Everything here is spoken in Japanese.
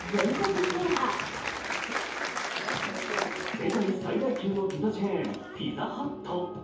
世界最大級のピザチェーン、ピザハット。